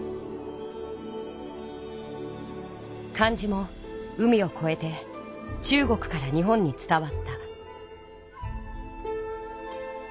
漢字も海をこえて中国から日本につたわった。